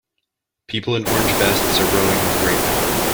People in orange vests are rowing with great effort.